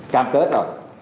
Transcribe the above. cam kết rồi